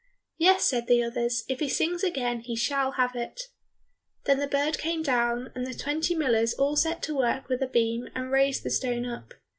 "Yes," said the others, "if he sings again he shall have it." Then the bird came down, and the twenty millers all set to work with a beam and raised the stone up.